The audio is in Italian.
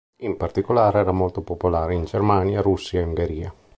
In particolare era molto popolare in Germania, Russia e Ungheria.